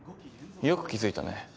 よく気付いたね。